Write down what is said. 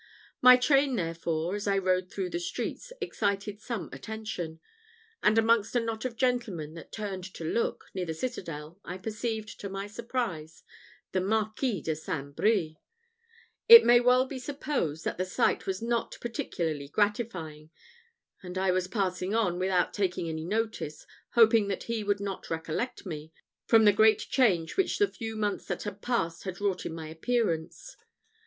My train, therefore, as I rode through the streets, excited some attention; and amongst a knot of gentlemen that turned to look, near the citadel, I perceived, to my surprise, the Marquis de St. Brie! It may well be supposed that the sight was not particularly gratifying; and I was passing on, without taking any notice, hoping that he would not recollect me, from the great change which the few months that had passed had wrought in my appearance.